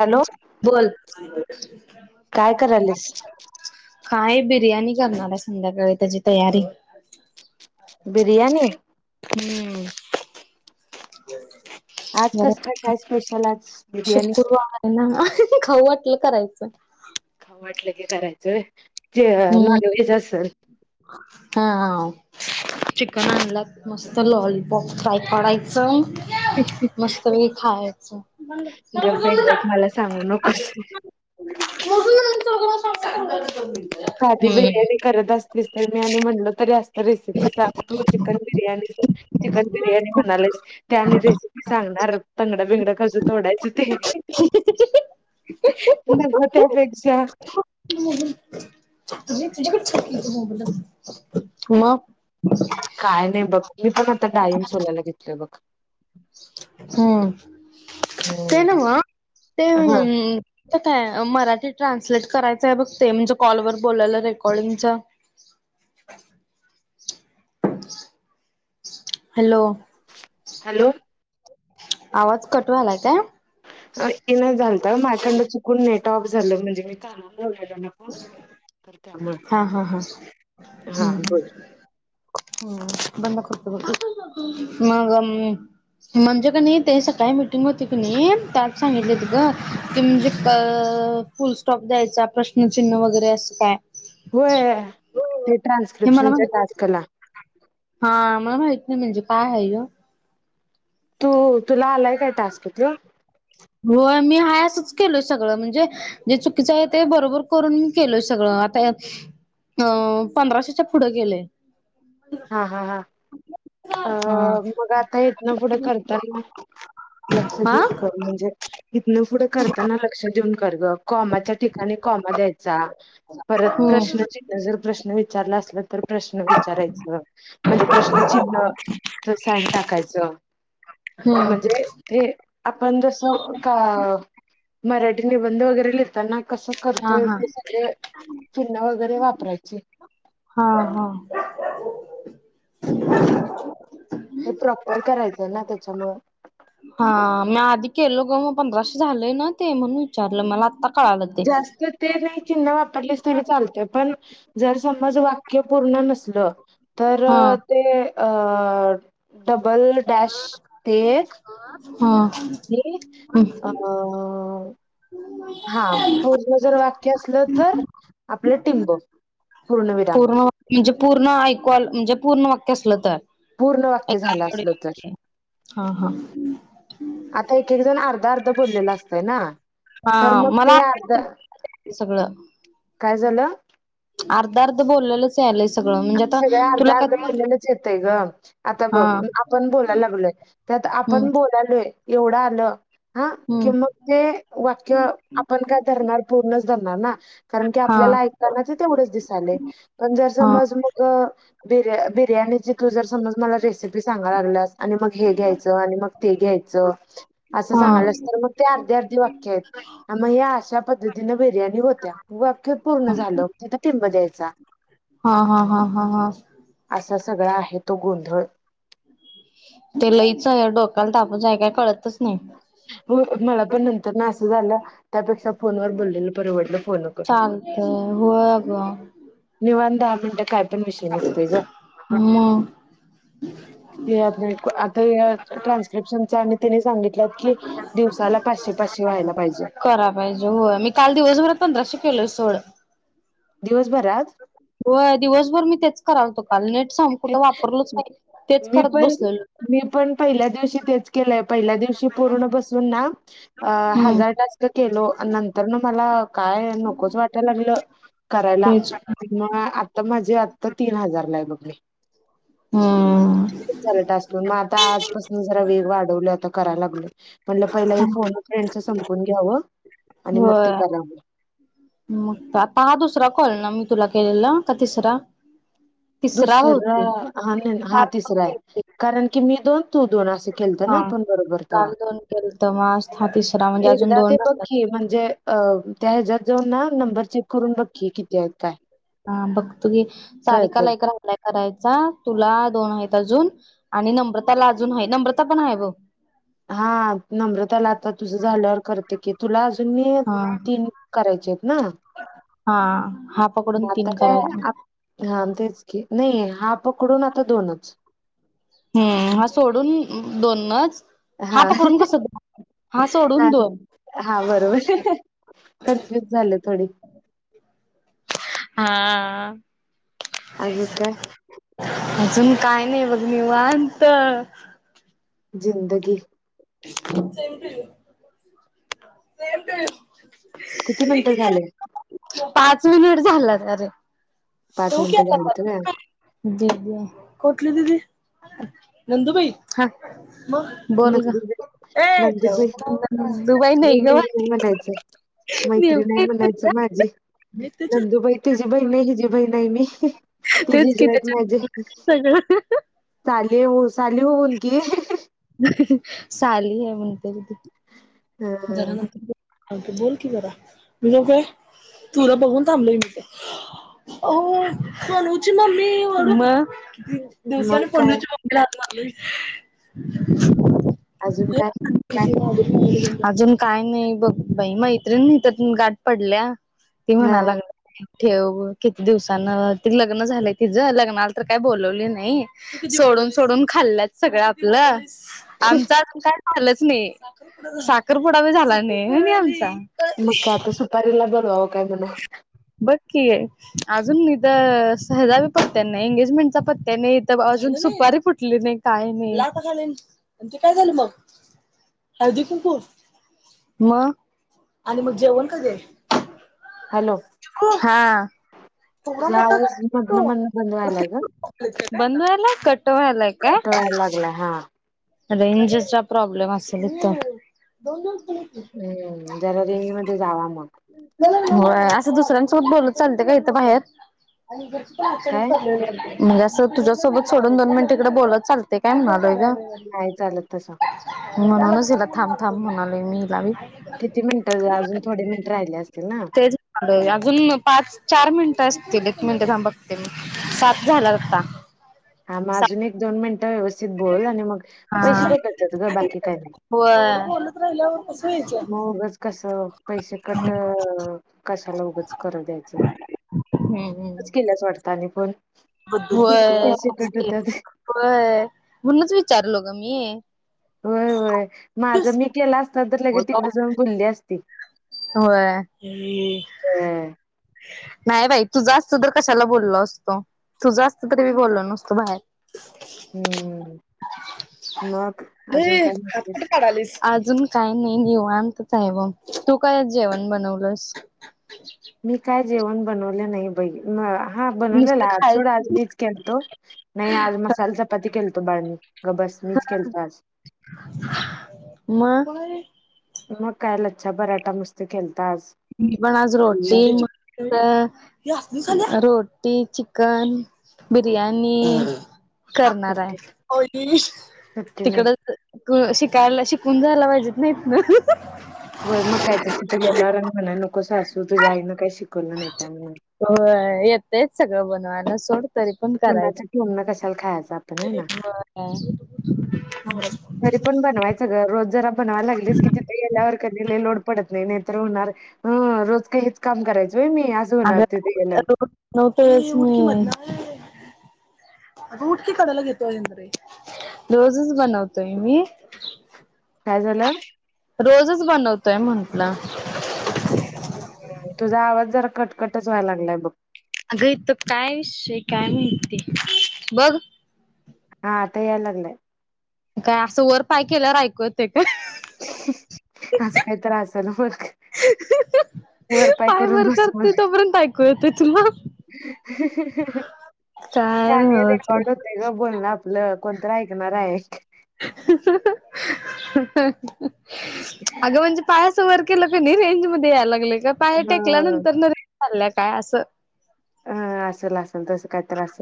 Hello बोल. काय करायलीस काय बिर्याणी करणार आहे संध्याकाळी त्याची तयारी- बिर्यानी. हम्म आज कस काय काय [unintelligible] स्पेशल आज बिर्याणी शुक्रवार आहे ना. खाऊ वाटलं करायचं. खाऊ वाटलं की करायचं व्हाय ते नॉनव्हेज असेल. हा हा. चिकन आणल्यात मस्त लॉलीपॉप फ्राय कराायचं. मस्त पैकी खायचं. गप आहे गप मला सांगू नकोस. [inaudible] साधी बिर्याणी करत असतेस तर मी आणि म्हणलं तरी अस - रेसिपी सांग तू चिकन बिर्याणी चिकन बिर्याणी म्हणालीस त्या आणि रेसिपी सांग. तंगडा बिंगडा कसं तोडायचं ते. [inaudible] नको त्यापेक्षा. तुम्ही तुझ्याकडं. [inaudible] काय नाही बघ, मी पण आता डाळिम सोलायला घेतलोय बघ. हम् ते हम्म नव्हं ते हा ते काय मराठी ट्रान्सलेट करायचंय बघ ते म्हणजे कॉलवर बोल्यालं रेकॉर्डिंगच. [inaudible] हॅलो. हॅलो आवाज कट वालाय काय? अ ईना झालत माझ्याकंड चुकून नेट ऑफ झालं म्हणजे मी कानाला लावलेलं तर त्यामुळे, हा हा हा हा बोल. हम्म बंद करतो बगं, मगं म्हणजे कनी ते सकाळी मिटिंग होती की नी त्यात सांगितलेत गं की म्हणजे फुल स्टॉप द्यायचा प्रश्नचिन्ह वगैरे असं काय होय ते हे मला ट्रान्स्क्रिप्शनच्या माहित टास्कला. हा मला माहित नाही म्हणजे काय हाय यो? तू तुला आलाय काय टास्क त्यो होय मी हाय असंच केलोय सगळं म्हणजे जे चुकीचं आहे ते बरोबर करून केलोय सगळं आता यात अं पंधराशेच्या पुढं गेलय. हा हा हा अ हा मग आता इथंन पुढं करताल ना. लक्ष हा देऊन कर म्हणजे इथनं पुढं करताना लक्ष देऊन कर गं. काॅमाच्या ठिकाणी काॅमा द्यायचा, परत प्रश्न हम्म चिन्ह जर प्रश्न विचारला असला तर प्रश्न विचारायचं म्हणजे प्रश्न चिन्ह च साइन टाकायचं. हम्म म्हणजे ते आपण जसं का मराठी निबंध वगैरे लिहताना कसं हा करतोय हा ते सगळे चिन्ह वगैरे वापरायची. हा हा ते प्रॉपर करायचं ना त्याच्यामुळं. हा मी आधी केलो गं मग पंधराशे झालंय ना ते म्हणून विचारलं, मला आता जास्त ते नाही चिन्ह वापरलेस तरी चालते पण जर समज वाक्य पूर्ण नसलं तर हा ते अ डबल डॅश ते हा हे अ हा पूर्ण जर वाक्य असलं तर आपलं टिंब पूर्णविराम. पूर्ण म्हणजे पूर्ण ऐकु आल म्हणजे पूर्ण वाक्य असलं तर. पूर्ण वाक्य एका झालं असलं तर. आठवड्यामध्ये. हा हा आता एक एक जण अर्धा अर्धा बोललेला असतंय ना. तर हा मग मला ते अर्ध सगळं काय झालं अर्ध अर्ध बोललेलंच यालयं आ सगळ अर्धा अर्ध बोललेलंच येतय गं, आता ब हा आपण बोलायला लागलोय हम्म आपण बोलालोय एवढं आलं हा कि हम्म मग ते वाक्य आपण काय धरणार पूर्णच धरणार ना कारण की हा आपल्याला ऐकताना ते तेवढंच दिसालय, पण जर हा समज आ बिर्या बिर्याणीची तू जर समज मला रेसिपी सांगा लागल्यास आणि मग हे घ्यायचं आणि मग ते घ्यायचं असं हा हा सांगाल्यास तर मग ते अर्धी अर्धी वाक्य आहेत. आ मग ह अशा पद्धतीने बिर्याणी होत्या वाक्य पूर्ण झालं तिथं टिंब द्यायचा. हा हा हा हा हा. असा सगळा आहे तो गोंधळ. ते लईच हे डोकाल तर आपण जाय काय कळतच नाही मला पण नंतर ना असं झालं त्यापेक्षा फोन व बोललेल परवडलं फोन करून चालतय होय निवांत दहा मिनिटं काय पण विषय निघतोय ग. ह आ ट्रान्स्क्रिप्शन आणि सांगित की दिवसाला पा शी व्हायला पाहिजे रा पाहिजे मी काल दिवसभरात पंधराशे केलो सोड दिवसभरात हो दिवसभर मी तेच कराल होतो काल नेट सांग कुठं वापरलोच नाही तेच मी करत पण बसलेलो मी पण पहिल्या दिवशी तेच केलंय पहिल्या दिवशी पूर्ण बसून ना अ हम्म हजार टास्क केलो नंतर न मला काय नकोच वाटायला लागलं करायला तेच म आता माझे आता तीन हजारला आहे बघ मी हम्म ल टास मग आता आजपासून जरा वेग वाढवला आता कराय लागलं म्हंटलं पहिला हे फोन फ्रेंडच संपून घ्यावं आणि मग ते होय करावं मग आता हा दुसरा कोल ना मी तुला केलेला का तिसरा तिसरा दुसर बहुतेक हा हा काल पण तिसरा आहे केलते कारण की मी दोन तू दोन असे खलत ना हा. आपण बरोबर काल तवा दोन केलत मग आज हा तिसरा म्हणजे अजून एकदा दोन ते राहिल्यात. पकी म्हणजे अ त्या ह्याच्यात जाऊन ना नंबर चेक करून बक्की कितीत हा बघ तु गी सार कळतंय. कालायक रा अप्लाय करायचा तुला दोन आहेत अजून आणि नम्रताला अजून आहे नम्रता पण आहे ब हा नम्रताला आता तुझं झाल्यावर करते की तुला त हा. तीन करायचे आहेत ना हा हा पकडून तीन करायचे मताा तेच नाही हा पकडून आता हम्म हा सोडून दोननच हा तर पडून क सध ह हा बरोबर कन्फ्युज झाले थोडी हा अज का अजून काय नाही बघ मी वानत जिंदगी सप सेप किती मिनटं झाले पाच मिनिट झाला अरे मिनिटं झालेत होय. तता ज ज कोठली तथी नंदुबाई ह म बोलग नंदुबई दुबई नाही ग नुबई म्हणायचं मैत्री नाही नेमकी म्हणायचं माझी भेट त्याच्या नंदुबाई तिचीी बहीण नाही हिजी बही नाही मी ती तेच कि जिजवत माझे त्याच्या सगळं चाले हो चाले होन की साली आहे म्हणते हं त बोल की जरा मी लकोय तुला बघून थांबलय मी ते हो खणची ममी होम मग दिवसाने पू काय राहत म अजून काय अजून काय नाही बघ बाई मैत्रीण नाही तर गाठ पडल्या त हा म्हणालाग ठेव किती दिवसान त लग्न झालंय तिझं लग्नाला तर काय बोलवली नाही सोडून सोडून खाल्ल्यात सगळं आपलं आमचा काही झालंच नाही साखरपुडा ब झाला नाही नाही आमचा मग का आता सुपारीला बरवं काय म्हण अजूनथ सहजावी पत्त्यां नाही एंगेजमेंटचा पत्या नाहीज दुपारी फुटली नाही काय नाही ते काय झालं मग हळदी कुकू मग आणि मग जेवण कध हॅलो हा केवढा तुझा मोठा आवाज मधन म्हणनं बंद व्हायलाय ग बंदवाला कटवायलाय का कट व्हायला लागलाय हा रेंजचा प्रॉब्लेम असेल त तर हम्म जरा रेंज मध्ये जावा मग असं दुसऱ्यांसोबत बोलत चालते का इथं बाहेर काय म्हणजे अस तुझ्यासोबत सोडून दोन मिनिटकडे बोलत चाल काय म्हणालोय का नाही चालत तसं म्हणूनच हिला थांब थांब म्हणाले मी हिला ब किती मिनिटं अजून थोडे मिनिट राहिले असतील ना तेच अजून पाच चार मिनट असतील एक मिनट थांब बघते मी साात झाला का हां मग अजून एक दोन मिनट व्यवस्थित बोल आणि मग हा पैसे कटत जात ग बाकी काय नाही होय बोलत राहिल्यावर कसं व्हायचं मग उगंच कसं पैसे कट कशाला उगंच कर द्यायचं अच्छा कल्यास वारता नि पण बू आहे म्हणूनच विचारलो ग मी होय होय माझं मी केलं असणार तर ल तिकडे जाऊन बुलली असती ह होय नाही बाई तुझा असत तर कशाला बोलल असतो तुझा असत तरी मी बोललो नसतो बाहेर हम्म मग अजून नाही काय आपट म्हणतेस? काढालीस अजून काही नाही नि आणतच आहे ब तू काय जेवण बनवलंस मी काय जेवण बनवले नाही बई म हा नुसतं बनवलेला आज खाय सोड आज मीच खलतो नाही आज मसाल चपाती खलतो बाळमी अ बस मीच केलतस कोणाे मग काय लच्छा बराटा मस्त खेलत पण आज रोटी म रोटी चिकन बिरयानी करणार सुट्टी आहे सुट्टी नाही. तिकड शिकायला शिकून जायला पाहिजेत नाहीत ना होय मग काय तर तिथं गेल्यावर आणि म्हणाय न कसं असू तुझ्याई ना काय शिक हो येतयच सगळं बनवाण सोड तरी पण करायच कुणाचं ठेवणं कशाला खायचं आपण हाय ना. ब ते पण बनवायचंर रोज जर ब लाग की तिथे गेल्यावर कधी लोड पडत नाही नाही तर होणार रोज काहीच काम करायच आ ते श कढायला घेतोज रोजस बनवतोय मी काय झालं रोजच बनवतोय म्हंटलं तुझा आवाज जरा कटकटच व्हायला लागलाय बघ अग तर काय विषय काय म्हणती बघ हा तयललेे काय असं वर पाय केल्यावर ऐकूय असं काही त्रास आहे ना मग ह वरपाय करून बसव ले येते तुला काय नव्हच रे रेकॉर्ड होते ग बोलण आपलं कोणत ऐकणार आहे अगं म्हणजे पाया वर केलं का नाही रेंज मध्ये यायला लागलं का पाहेर टेकल्या हं नंतर न रेंज ल्या काय असं अम असेल असल तसं काय तर असल.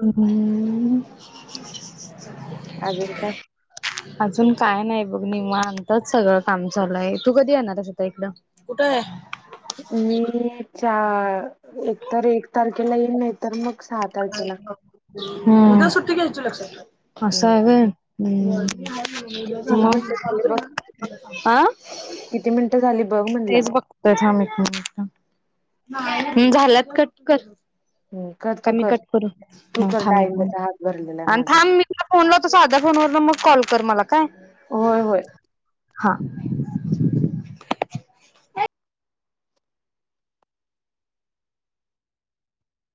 ह अजून काय अजून काय नाही बघ नि मानताच सगळं काम चालय तू कधी येणार आहे स्वतः इकड कुठ आहे मी च एकतर एक तारखेला येईन नाही तरर मग सहा तारखेला ह्ट घ असा् हम्म किती म मिनिटं झाली बघ आा किती मिनिटं झाली बघ म्हणलं तेच बघत म एक मिनिट झालात क कर हम्म कर तू कमी कर कट करू तू कर थांब डाळिंबाचा हात भरलेला आहे माझा थांब मी फनला होत साधा फ मग कॉ होय होय हा